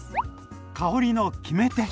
香りの決め手。